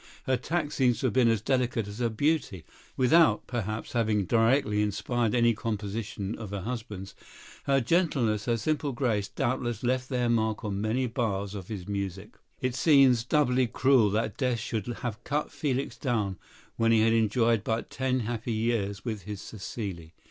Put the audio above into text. Her tact seems to have been as delicate as her beauty. Without, perhaps, having directly inspired any composition of her husband's, her gentleness, her simple grace, doubtless left their mark on many bars of his music. It seems doubly cruel that death should have cut Felix down when he had enjoyed but ten happy years with his Cécile.